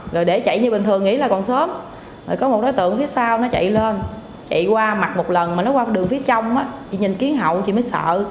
rồi để chạy như bình thường nghĩ là còn sớm có một đối tượng phía sau nó chạy lên chạy qua mặt một lần mà nó qua đường phía trong chị nhìn kiến hậu chị mới sợ